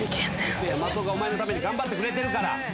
せいや松尾がお前のために頑張ってくれてるから。